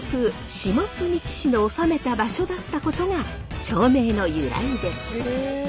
下道氏の治めた場所だったことが町名の由来です。